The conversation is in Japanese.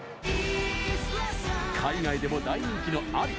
海外でも大人気のＡＬＩ。